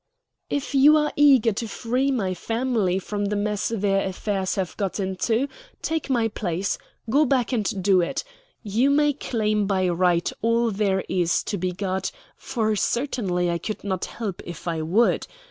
"If you are eager to free my family from the mess their affairs have got into, take my place, go back and do it. You may claim by right all there is to be got; for certainly I could not help if I would.